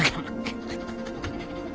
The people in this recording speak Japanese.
ハハハハ。